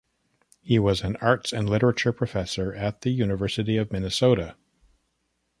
He was an arts and literature professor at the University of Minnesota.